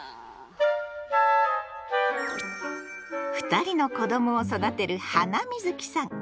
２人の子どもを育てるハナミズキさん。